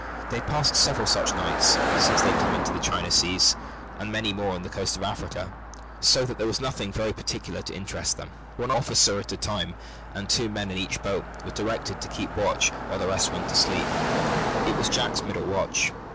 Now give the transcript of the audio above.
They had passed several such nights, since they had come into the China seas, and many more on the coast of Africa, so that there was nothing very particular to interest them. One officer at a time and two men in each boat were directed to keep watch while the rest went to sleep. It was Jack's middle watch.